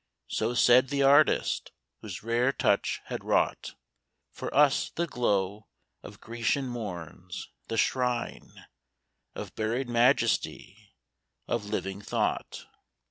So said the artist whose rare touch had wrought For us the glow of Grecian morns — the shrine Of buried majesty — of living thought.